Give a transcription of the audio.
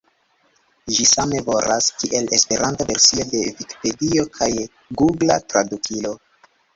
Ĝi same valoras, kiel Esperanta versio de Vikipedio kaj Gugla Tradukilo.